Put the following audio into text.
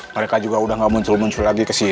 mereka juga udah gak muncul muncul lagi ke sini